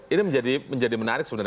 ini menjadi menarik sebenarnya